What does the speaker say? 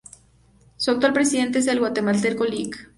Su actual presidente es el guatemalteco Lic.